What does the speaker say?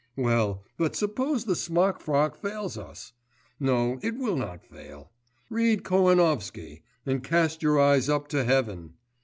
Well, but suppose the smock frock fails us? No, it will not fail. Read Kohanovsky, and cast your eyes up to heaven!